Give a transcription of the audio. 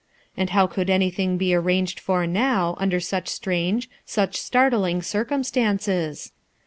And how could anything be arranged for now, under such strange, such startling circumstances?